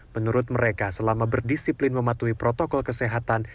menurut mereka selama berdisiplin mematuhi protokol kesehatan